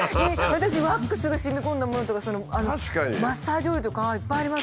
私ワックスが染み込んだものとかマッサージオイルとかいっぱいあります。